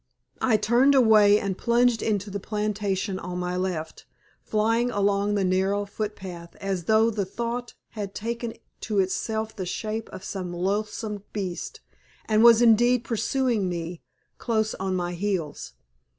I turned away and plunged into the plantation on my left, flying along the narrow footpath as though the thought had taken to itself the shape of some loathsome beast and was indeed pursuing me, close on my heels.